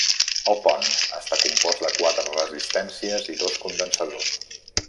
El pont està compost de quatre resistències i dos condensadors.